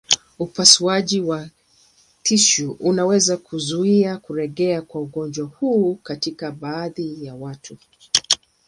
Upasuaji wa kuondoa tishu unaweza kuzuia kurejea kwa ugonjwa huu katika baadhi ya watu.